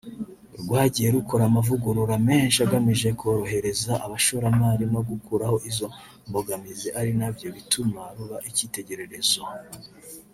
rwagiye rukora amavugurura menshi agamije korohereza abashoramari no gukuraho izo mbogamizi ari nabyo bituma ruba icyitegerezo